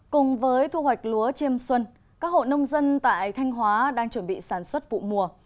cùng với thu hoạch lúa chiêm xuân các hộ nông dân tại thanh hóa đang chuẩn bị sản xuất vụ mùa